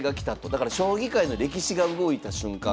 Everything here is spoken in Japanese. だから将棋界の歴史が動いた瞬間。